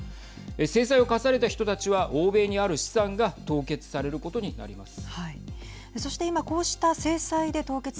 制裁を科された人たちは欧米にある資産が凍結されることになります。